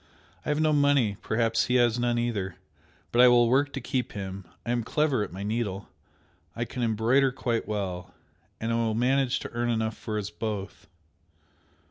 I have no money, perhaps he has none either, but I will work to keep him, I am clever at my needle I can embroider quite well and I will manage to earn enough for us both."